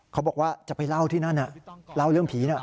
เขาบอกว่าจะไปเล่าที่นั่นเล่าเรื่องผีน่ะ